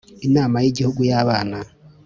inama y igihugu y’abana